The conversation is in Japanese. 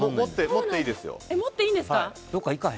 持っていいですよ。